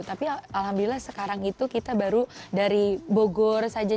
tapi alhamdulillah sekarang itu kita baru dari bogor saja